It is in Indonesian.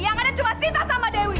yang ada cuma cerita sama dewi